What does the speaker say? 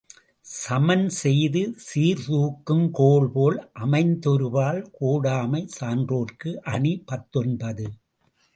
சமன்செய்து சீர்தூக்கும் கோல்போல் அமைந்தொருபால் கோடாமை சான்றோர்க்கு அணி பத்தொன்பது .